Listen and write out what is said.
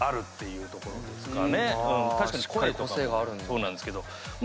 確かに声とかもそうなんですけど。